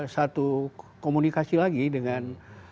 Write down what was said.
satu komunikasi lagi dengan